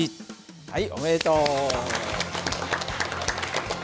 はいおめでとう。